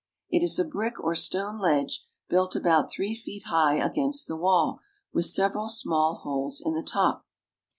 It is a brick or stone ledge built about three feet high against the wall, with several small holes in the top.